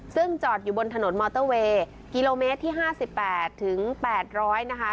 ซึ่งจอดอยู่บนถนนมอเตอร์เวย์กิโลเมตรที่ห้าสิบแปดถึงแปดร้อยนะคะ